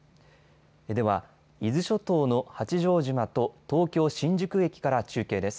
では伊豆諸島の八丈島と東京新宿駅から中継です。